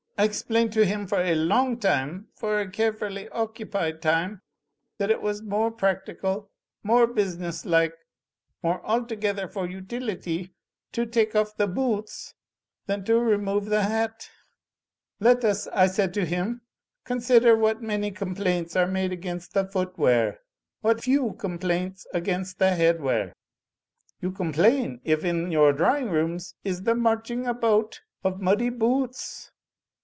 I explained to him for a long time, for a carefully occupied time, that it was more practical, more business like, more altogether for utility, to take off the boo oots than to remove the hat 'Let us,' I said to him 'consider what many com THE SOCIETY OF SIMPLE SOULS 8i plaints are made against the footwear, what few com plaints against the headwear. You complain if in your drawing rooms is the marching about of muddy boo oots.